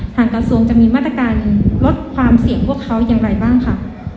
กระทรวงจะมีมาตรการลดความเสี่ยงพวกเขาอย่างไรบ้างค่ะ